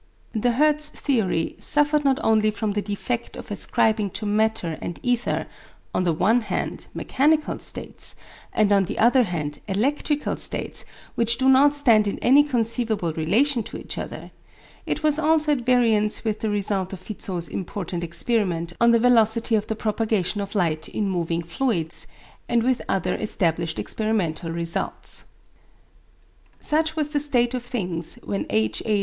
The Hertz theory suffered not only from the defect of ascribing to matter and ether, on the one hand mechanical states, and on the other hand electrical states, which do not stand in any conceivable relation to each other; it was also at variance with the result of Fizeau's important experiment on the velocity of the propagation of light in moving fluids, and with other established experimental results. Such was the state of things when H. A.